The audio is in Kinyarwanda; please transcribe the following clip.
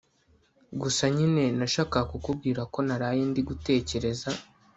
gusa nyine nashakaga kukubwira ko naraye ndi gutekereza